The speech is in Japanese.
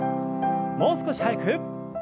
もう少し速く。